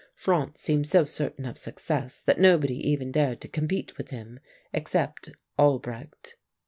Franz seemed so certain of success that nobody even dared to compete with him except Albrecht.